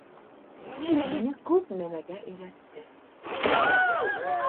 Мине күп нәмәгә өйрәтте.